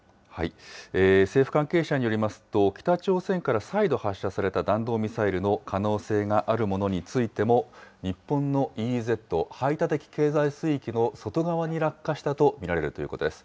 政府関係者によりますと、北朝鮮から再度発射された弾道ミサイルの可能性があるものについても、日本のＥＥＺ・排他的経済水域の外側に落下したと見られるということです。